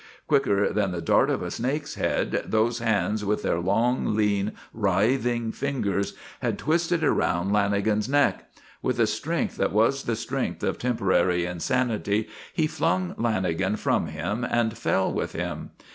Quicker than the dart of a snake's head, those hands, with their long, lean, writhing fingers, had twisted around Lanagan's neck. With a strength that was the strength of temporary insanity, he flung Lanagan from him and fell with him.